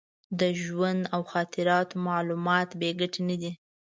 د ژوند او خاطراتو معلومات بې ګټې نه دي.